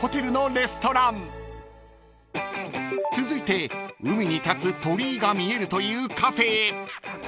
［続いて海に立つ鳥居が見えるというカフェへ］